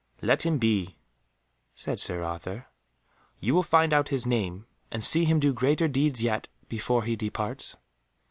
"Let him be," said Sir Arthur, "you will find out his name, and see him do greater deeds yet, before he departs."